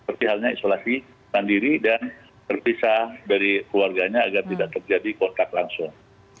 seperti halnya isolasi mandiri dan terpisah dari keluarganya agar tidak terjadi kontak langsung